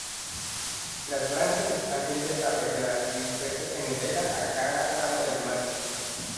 Las branquias están bien desarrolladas y dispuestas en hilera a cada lado del manto.